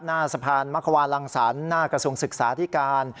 หน้าสะพานมะควาลังสรรค์หน้ากระทรวงศึกษาที่การ